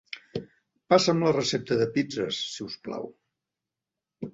Passa'm la recepta de pizzes, si us plau.